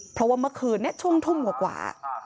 เพราะว่าเมื่อคืนชุมทุ่มกว่ากว่า